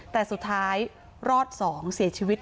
แต่สุดท้ายรอด๒เสียชีวิต